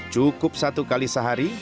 cukup satu kali sehari